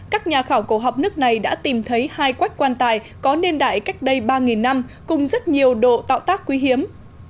các nhà khảo cổ học nước này đã tìm thấy hai quách quan tài có niên đại cách đây ba năm cùng rất nhiều độ tạo tác quý hiếm